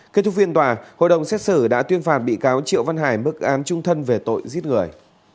kết thúc phiên tòa hội đồng xét xử đã tuyên phạt bị cáo triệu văn hải mức án trung thân về tội giết người